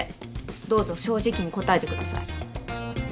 どうぞ正直に答えてください。